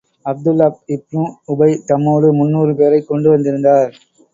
அப்துல்லாஹ் இப்னு உபை தம்மோடு முந்நூறு பேரைக் கொண்டு வந்திருந்தார்.